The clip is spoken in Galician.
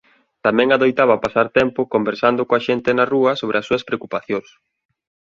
Tamén adoitaba pasar tempo conversando coa xente na rúa sobre as súas preocupacións.